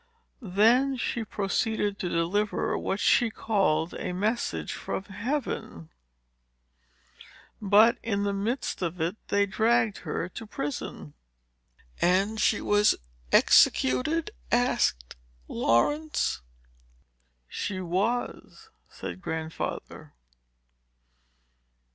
Then she proceeded to deliver what she called a message from Heaven; but in the midst of it, they dragged her to prison. "And was she executed?" asked Laurence. "She was," said Grandfather.